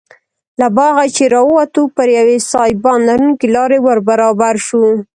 له باغه چې راووتو پر یوې سایبان لرونکې لارې وربرابر شوو.